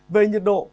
về nhiệt độ